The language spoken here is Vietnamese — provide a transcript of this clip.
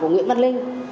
của nguyễn văn linh